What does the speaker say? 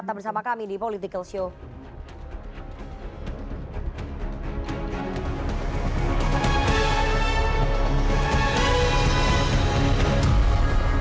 tetap bersama kami di political show